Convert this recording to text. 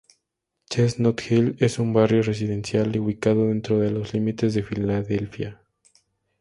Chestnut Hill es un barrio residencial ubicado dentro de los límites de Filadelfia.